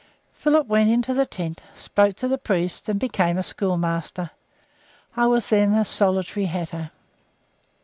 Philip went into the tent, spoke to the priest, and became a schoolmaster. I was then a solitary "hatter."